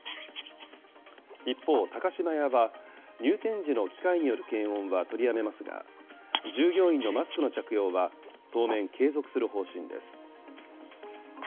一方、高島屋は、入店時の機械による検温は取りやめますが、従業員のマスクの着用は当面、継続する方針です。